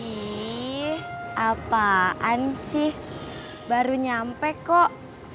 ini apaan sih baru nyampe kok